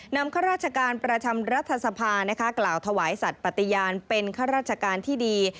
ข้าราชการประจำรัฐสภากล่าวถวายสัตว์ปฏิญาณเป็นข้าราชการที่ดี